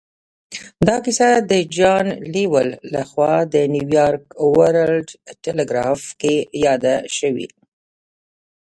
دا کیسه د جان لویل لهخوا په نیویارک ورلډ ټیليګراف کې یاده شوې